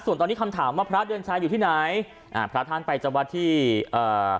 ส่วนตอนนี้คำถามว่าพระเดือนชัยอยู่ที่ไหนอ่าพระท่านไปจำวัดที่อ่า